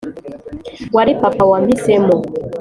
wari papa wampisemo.